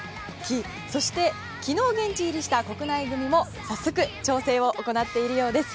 そして昨日現地入りした国内組も早速調整を行っているようです。